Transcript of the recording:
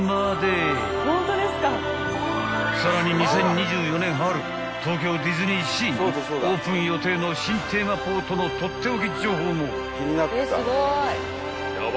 ［さらに２０２４年春東京ディズニーシーにオープン予定の新テーマポートのとっておき情報も］